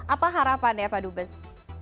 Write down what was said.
apa harapan ya pak dubes